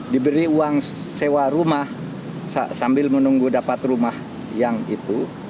diberi uang sewa rumah sambil menunggu dapat rumah yang itu